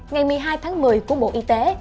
ngày một mươi hai tháng một mươi của bộ y tế